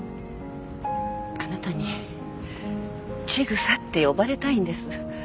あなたに千草って呼ばれたいんです。